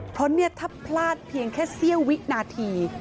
เพราะเนี่ยถ้าพลาดเพียงแค่เสี้ยววินาที